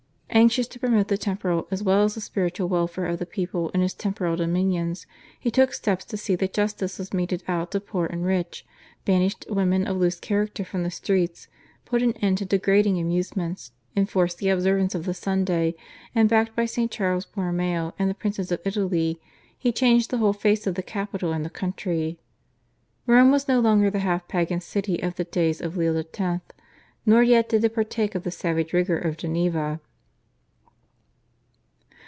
Anxious to promote the temporal as well as the spiritual welfare of the people in his temporal dominions he took steps to see that justice was meted out to poor and rich, banished women of loose character from the streets, put an end to degrading amusements, enforced the observance of the Sunday, and, backed by St. Charles Borromeo and the princes of Italy, he changed the whole face of the capital and the country. Rome was no longer the half pagan city of the days of Leo X., nor yet did it partake of the savage rigour of Geneva.